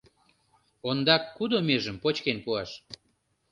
Ондак кудо межым почкен пуаш?»